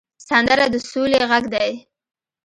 سندره د سولې غږ دی